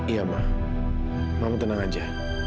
iya mah mama tenang aja